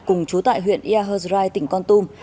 cùng chú tại huyện yà hơ rai tỉnh con tum